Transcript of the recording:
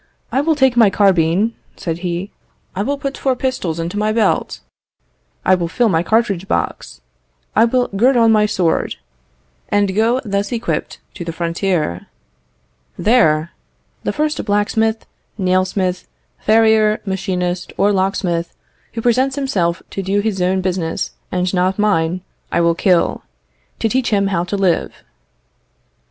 "I will take my carbine," said he; "I will put four pistols into my belt; I will fill my cartridge box; I will gird on my sword, and go thus equipped to the frontier. There, the first blacksmith, nail smith, farrier, machinist, or locksmith, who presents himself to do his own business and not mine, I will kill, to teach him how to live."